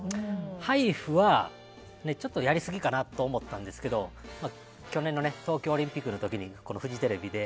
ハイフはやりすぎかなって思ったんですけど去年の東京オリンピックの時にフジテレビで